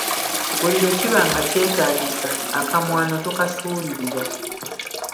Buli lwe kiba nga kyetaagisa, akamwano tokasuulirira.